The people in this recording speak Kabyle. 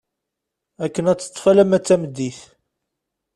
Akken ad teṭṭef alamma d tameddit.